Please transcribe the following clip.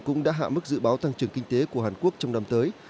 cũng đã hạ mức dự báo tăng trưởng kinh tế của hàn quốc trong năm tới